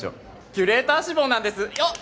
キュレーター志望なんですよっ！